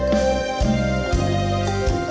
มองหยอดเขาหวัง